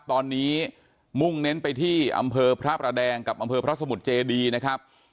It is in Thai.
ตอนนี้มุ่งเน้นไปที่อำเภอพระประแดงกับอำเภอพระสมุทรเจดีนะครับ